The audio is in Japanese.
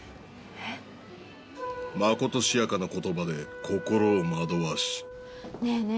まことしやかな言葉で心を惑わしねえねえ